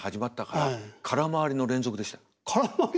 空回りの連続ですか？